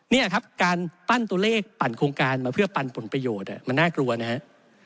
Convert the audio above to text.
นี่ครับการปั้นตัวเลขปั่นโครงการมาเพื่อปันผลประโยชน์มันน่ากลัวนะครับ